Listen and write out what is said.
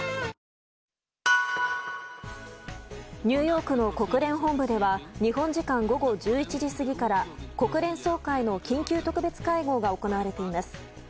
ニューヨークの国連本部では日本時間午後１１時過ぎから国連総会の緊急特別会合が行われています。